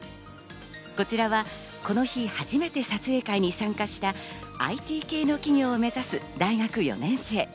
こちらはこの日、初めて撮影会に参加したＩＴ系の企業を目指す大学４年生。